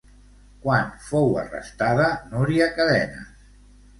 Quan fou arrestada Núria Cadenes?